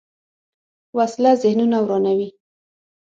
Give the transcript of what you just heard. وسله ذهنونه ورانوي